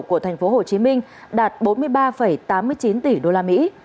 của tp hcm đạt bốn mươi ba tám mươi chín tỷ usd